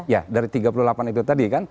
ya dari tiga puluh delapan itu tadi kan